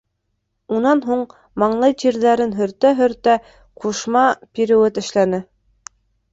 Унан һуң, маңлай тирҙәрен һөртә-һөртә, ҡушма пируэт эшләне.